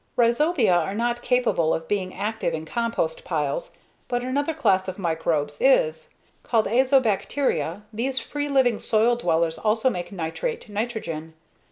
Rhizobia are not capable of being active in compost piles, but another class of microbes is. Called azobacteria, these free living soil dwellers also make nitrate nitrogen.